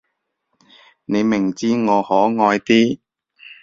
你明知我可愛啲